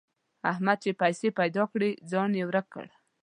احمد چې پیسې پيدا کړې؛ ځان يې ورک کړ.